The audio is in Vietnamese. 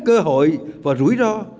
cơ hội và rủi ro